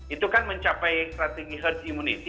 itu kan mencapai strategi herd immunity